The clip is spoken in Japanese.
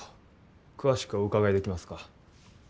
詳しくおうかがいできますか？